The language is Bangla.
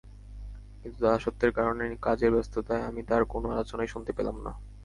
কিন্তু দাসত্বের কারণে কাজের ব্যস্ততায় আমি তার কোন আলোচনাই শুনতে পেলাম না।